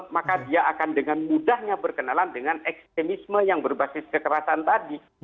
maka dia akan dengan mudahnya berkenalan dengan ekstremisme yang berbasis kekerasan tadi